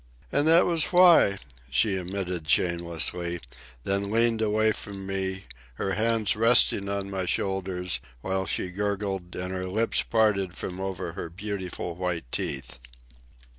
"And that was why," she admitted shamelessly, then leaned away from me, her hands resting on my shoulders, while she gurgled and her lips parted from over her beautiful white teeth.